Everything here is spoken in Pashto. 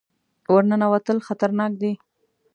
ور ننوتل خطرناک دي.